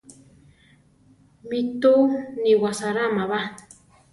Mi túu ni wasaráma ba.